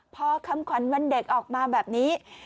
พอคำขวัญวันเด็กออกมาแบบนี้